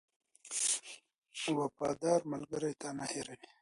• وفادار ملګری تا نه هېروي.